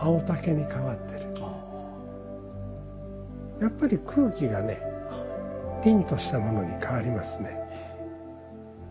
やっぱり空気がね凛としたものに変わりますね。